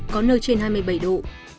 có nơi trên hai mươi bảy độ